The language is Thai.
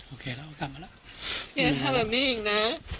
โอเคแล้วกลับมาแล้วอย่าทำแบบนี้อีกนะ